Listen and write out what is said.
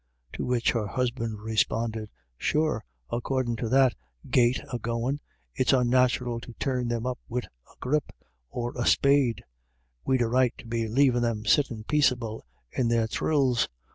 To which her husband responded :" Sure, accordin' to that gait o'goin,' it's onnatural to turn them up wid a graip or a spade ; we'd a right to be lavin' them sittin' paiceable in their dhrills.